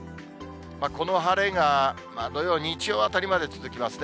この晴れが土曜、日曜あたりまで続きますね。